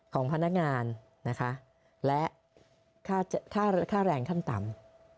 ของพนักงานและค่าแรงขั้นต่ำ๑๕